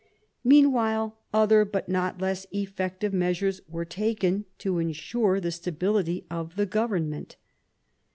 Meanwhile other but not less effective measures were being taken to ensure the stability of the government.